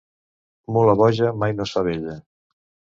Mula boja mai no es fa vella.